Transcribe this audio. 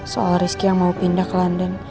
soal rizky yang mau pindah ke london